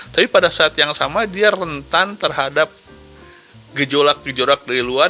tapi pada saat yang sama dia rentan terhadap gejolak gejolak dari luar